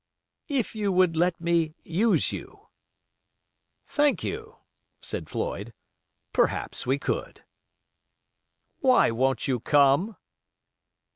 "If you would let me use you." "Thank you," said Floyd. "Perhaps we could." "Why won't you come?"